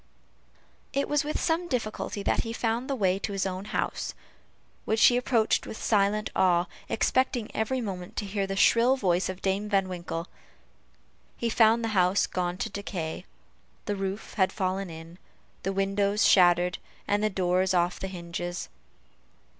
It was with some difficulty that he found the way to his own house, which he approached with silent awe, expecting every moment to hear the shrill voice of Dame Van Winkle. He found the house gone to decay the roof had fallen in, the windows shattered, and the doors off the hinges.